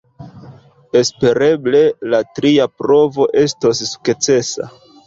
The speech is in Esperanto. Espereble la tria provo estos sukcesa.